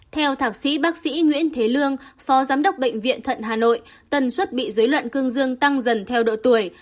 theo thạc sĩ bác sĩ nguyễn thế lương phó giám đốc bệnh viện thận hà nội tần suất bị dối loạn cương dương tăng dần theo độ tuổi